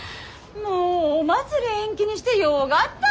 もうお祭り延期にしてよがったわ。